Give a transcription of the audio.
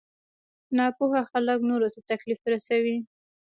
ناپوه خلک نورو ته تکليف رسوي.